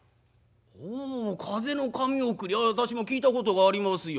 「ほう風の神送り私も聞いたことがありますよ。